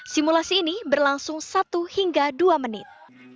simulasi ini berlangsung satu hingga dua menit